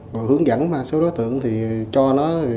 rồi hướng dẫn số đối tượng thì cho nó